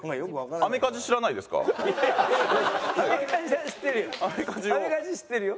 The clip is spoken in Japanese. アメカジ知ってるよ。